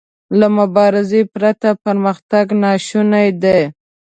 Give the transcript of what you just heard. له مبارزې پرته پرمختګ ناشونی دی.